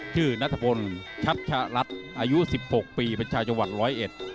คือนัทพลชัชรัตน์อายุ๑๖ปีบริษัทจังหวัด๑๐๑